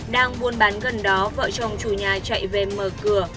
đang buôn bán gần đó vợ chồng chủ nhà chạy về mở cửa